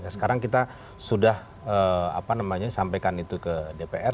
sekarang kita sudah apa namanya sampaikan itu ke dpr